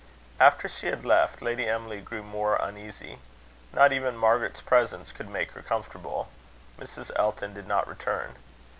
After she had left, Lady Emily grew more uneasy. Not even Margaret's presence could make her comfortable. Mrs. Elton did not return.